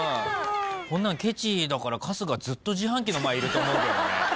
こんなんケチだから春日ずっと自販機の前いると思うけどね。